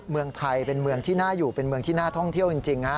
เมืองไทยเป็นเมืองที่น่าอยู่เป็นเมืองที่น่าท่องเที่ยวจริง